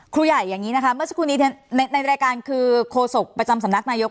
ครูใหญ่อย่างนี้นะคะเมื่อสักครู่นี้ในรายการคือโคศกประจำสำนักนายก